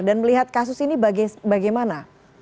dan melihat kasus ini bagaimana